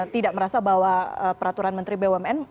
tidak merasa bahwa peraturan menteri bumn